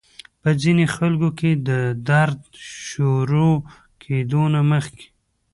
پۀ ځينې خلکو کې د درد شورو کېدو نه مخکې